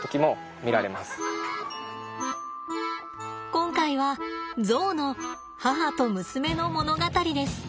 今回はゾウの母と娘の物語です。